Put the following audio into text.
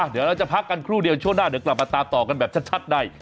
เดี๋ยวเราจะพักกันครู่เดียวช่วงหน้าเดี๋ยวกลับมาตามต่อกันแบบชัดใน